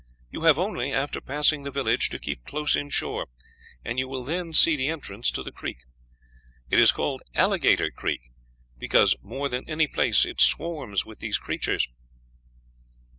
You have only, after passing the village, to keep close in shore, and you will then see the entrance to the creek. It is called Alligator Creek, because, more than any place, it swarms with these creatures."